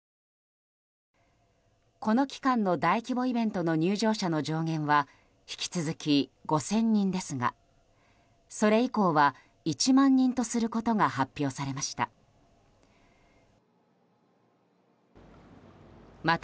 この期間の大規模イベントの入場者の上限は引き続き、５０００人ですがそれ以降は１万人とすることが発表されました。